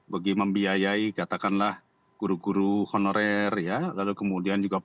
bagi membiayai katakanlah guru guru honorer ya lalu kemudian juga